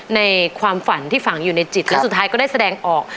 ในความฝั่นที่ฝากอยู่ในจิตสุดท้ายก็ได้แทนออก